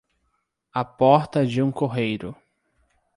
à porta de um correeiro